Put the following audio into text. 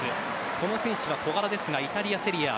この選手は小柄ですがイタリア・セリエＡ